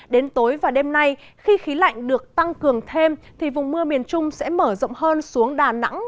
đến tối và đêm nay khi khí lạnh được tăng cường thêm thì vùng mưa miền trung sẽ mở rộng hơn xuống đà nẵng